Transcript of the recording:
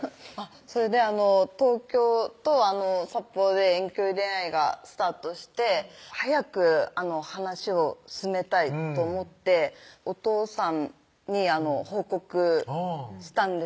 それで東京と札幌で遠距離恋愛がスタートして早く話を進めたいと思ってお父さんに報告したんですよ